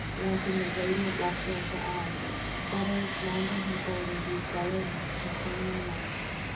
Wanting the radiant luster of her eyes, letters, lambent and golden, grew duller than Saturnian lead.